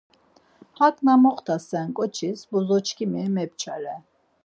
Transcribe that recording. Hak na moxtasen ǩoçis bozoçkimi mepçare.